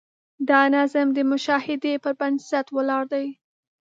دا نظم د مشاهدې پر بنسټ ولاړ دی.